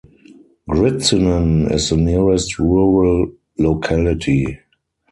Gritsinin is the nearest rural locality.